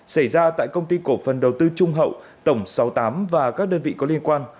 xảy ra tại công ty cổ phần đầu tư trung hậu tổng sáu mươi tám và các đơn vị có liên quan